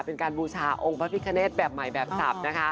เป็นการบูชาองค์พระพิชแนสแบบใหม่แบบทรัพย์